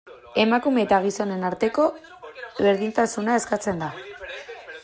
Emakume eta gizonen arteko berdintasuna eskatzen da.